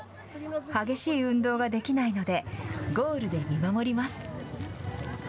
激しい運動ができないので、ゴールで見守ります。